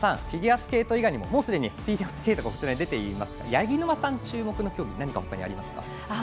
フィギュアスケート以外にももう、すでにスピードスケートがこちらに出ていますがほかに注目の競技はありますか。